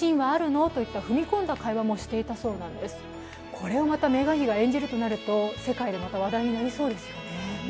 これをまたメガン妃が演じるとなると世界でまた話題になりそうですよね。